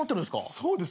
そうです。